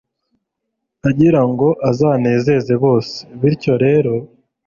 agira ngo azanezeze bose. bityo rero